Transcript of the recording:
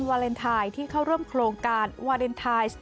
วาเลนไทยที่เข้าร่วมโครงการวาเลนไทยส